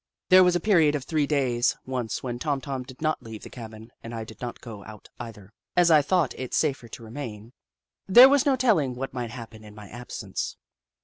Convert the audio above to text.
There was a period of three days, once, when Tom Tom did not leave the cabin, and I did not go out either, as I thought it safer to remain. There was no telling what might happen in my absence.